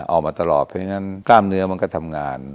เอามาตลอดเพราะฉะนั้นกล้ามเนื้อมันก็ทำงาน